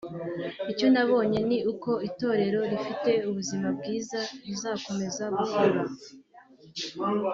Icyo nabonye ni uko Itorero rifite ubuzima bwiza rizakomeza gukura